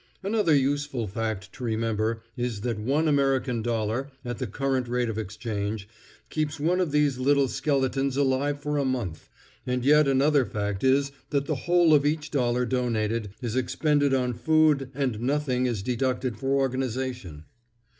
Another useful fact to remember is that one American dollar, at the current rate of exchange, keeps one of these little skeletons alive for a month. And yet another fact is that the whole of each dollar donated is expended on food and nothing is deducted for organisation.